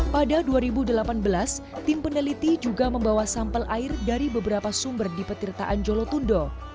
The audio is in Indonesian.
pada dua ribu delapan belas tim peneliti juga membawa sampel air dari beberapa sumber di petirtaan jolotundo